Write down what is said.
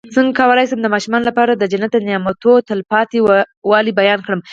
څنګه کولی شم د ماشومانو لپاره د جنت د نعمتو تلپاتې والی بیان کړم